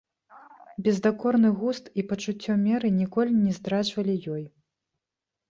Бездакорны густ і пачуццё меры ніколі не здраджвалі ёй.